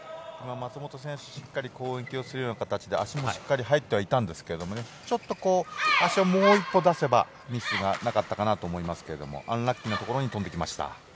松本選手がしっかり攻撃をする形で足もしっかり入ってはいたんですけどちょっと足をもう一歩出せばミスがなかったかなと思いますがアンラッキーなところに飛んできました。